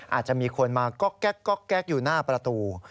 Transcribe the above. อาจจะมีคนมาก๊อกแก๊อกแก๊กอยู่หน้าประตู